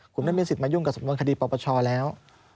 คุณไม่มีสิทธิ์มายุ่งกับสมบัติคดีปรบัชชาติแล้ว